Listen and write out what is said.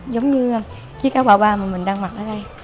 giống như chiếc cáo ba ba mình đang mặc ở đây